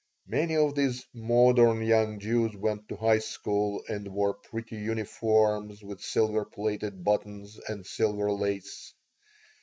Many of these "modern" young Jews went to high school and wore pretty uniforms with silver plated buttons and silver lace.